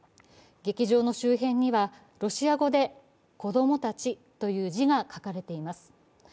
劇場の周辺にはロシア語で「子供たち」という字が書かれています。